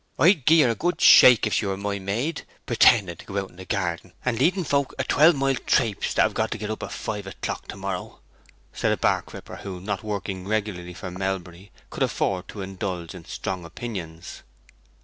"I'd gie her a good shaking if she were my maid; pretending to go out in the garden, and leading folk a twelve mile traipse that have got to get up at five o'clock to morrow," said a bark ripper; who, not working regularly for Melbury, could afford to indulge in strong opinions.